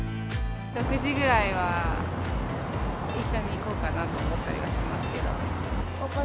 食事ぐらいは一緒に行こうかなと思ったりはしますけど。